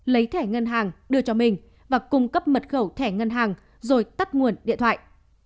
lấy thẻ ngân hàng đưa cho mình và cung cấp mật khẩu thẻ ngân hàng rồi tắt nguồn điện thoại